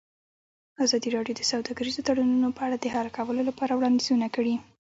ازادي راډیو د سوداګریز تړونونه په اړه د حل کولو لپاره وړاندیزونه کړي.